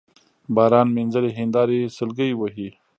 باران مينځلي هينداري سلګۍ وهي